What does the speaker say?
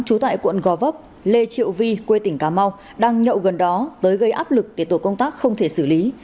trú tại quận gò vấp lê triệu vi quê tỉnh cà mau đang nhậu gần đó tới gây áp lực để tổ công tác không thể xử lý